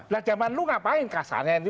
lah zaman lo ngapain kasarnya ini